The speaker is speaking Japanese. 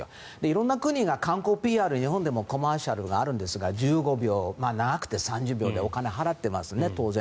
色んな国が観光ＰＲ、日本でもコマーシャルがあるんですが１５秒、長くて３０秒でお金を払っていますね、当然。